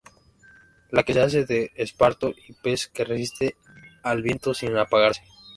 La que se hace de esparto y pez que resiste al viento sin apagarse.